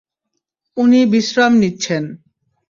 উনি বিশ্রাম নিচ্ছেন।